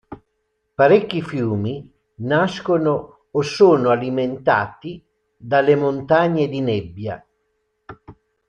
Parecchi fiumi nascono o sono alimentati dalle Montagne di Nebbia.